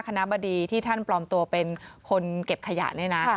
บดีที่ท่านปลอมตัวเป็นคนเก็บขยะเนี่ยนะ